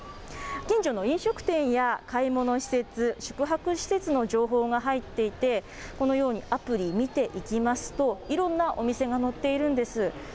近所の飲食店や買い物施設、宿泊施設の情報が入っていて、このようにアプリ、見ていきますと、いろんなお店が載っているんです。